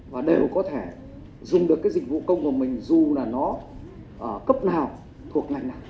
và đều có thể dùng được cái dịch vụ công của mình dù là nó ở cấp nào